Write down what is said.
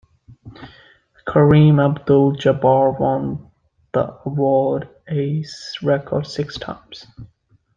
Kareem Abdul-Jabbar won the award a record six times.